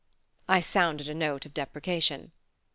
I sounded a note of deprecation.